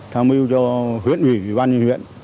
tham mưu cho huyện huy và ban nhân huyện